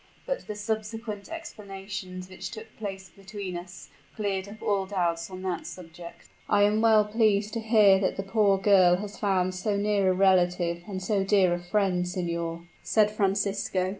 But the subsequent explanations which took place between us cleared up all doubts on that subject." "I am well pleased to hear that the poor girl has found so near a relative and so dear a friend, signor," said Francisco.